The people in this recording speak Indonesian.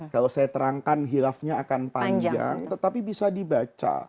kalau saya terangkan hilafnya akan panjang tetapi bisa dibaca